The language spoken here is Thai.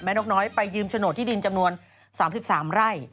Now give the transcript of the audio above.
มายิมโฉดที่ดีมจำนวน๓๓ไร่